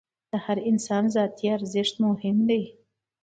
د هر انسان ذاتي ارزښت مهم دی.